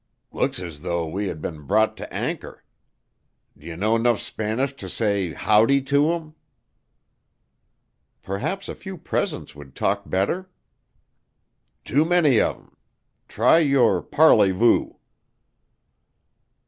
"Looks as though we had been brought to anchor. D' ye know 'nuff Spanish to say 'Howdy' to 'em?" "Perhaps a few presents would talk better?" "Too many of 'em. Try your parley vous."